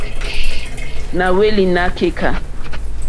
Na hweli na keka.